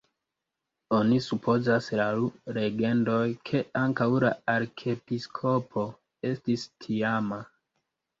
Oni supozas laŭ legendoj, ke ankaŭ la arkiepiskopo estis tiama.